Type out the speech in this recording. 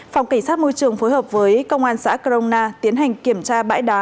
phòng cảnh sát môi trường phối hợp với công an xã crona tiến hành kiểm tra bãi đá